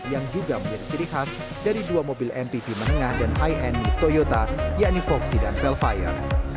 yang juga menjadi ciri khas dari dua mobil mpv menengah dan high end toyota yakni foxi dan velfire